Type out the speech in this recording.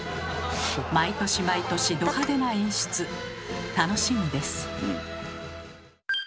毎年毎年ど派手な演出楽しみです。